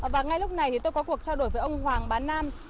và ngay lúc này tôi có cuộc trao đổi với ông hoàng bán nam